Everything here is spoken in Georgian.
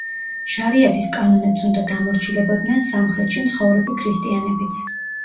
შარიათის კანონებს უნდა დამორჩილებოდნენ სამხრეთში მცხოვრები ქრისტიანებიც.